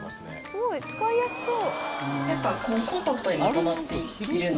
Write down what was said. すごい使いやすそう。